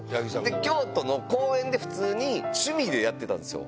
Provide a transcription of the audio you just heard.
京都の公園で普通に趣味でやってたんですよ。